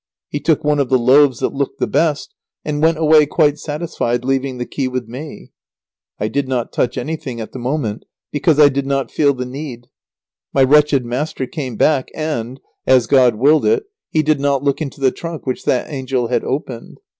He took one of the loaves that looked the best, and went away quite satisfied, leaving the key with me. [Sidenote: Lazaro is happy until the clergyman begins to smell a rat.] I did not touch anything, at the moment, because I did not feel the need. My wretched master came back, and, as God willed it, he did not look into the trunk which that angel had opened.